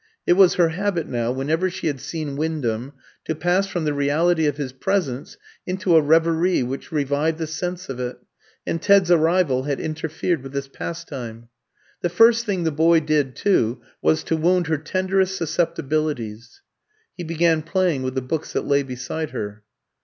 It was her habit now, whenever she had seen Wyndham, to pass from the reality of his presence into a reverie which revived the sense of it, and Ted's arrival had interfered with this pastime. The first thing the boy did, too, was to wound her tenderest susceptibilities. He began playing with the books that lay beside her.